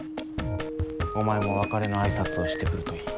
お前も別れの挨拶をしてくるといい。